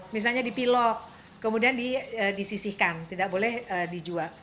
misalnya dipilok kemudian disisihkan tidak boleh dijual